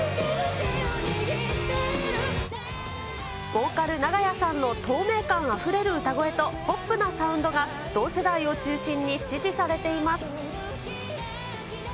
ボーカル、長屋さんの透明感あふれる歌声とポップなサウンドが、同世代を中心に支持されています。